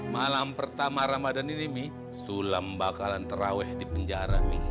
malam pertama ramadan ini mi sulam bakalan terawih di penjara